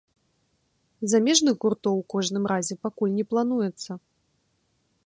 Замежных гуртоў у кожным разе пакуль не плануецца.